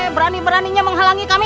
berani beraninya menghalangi kami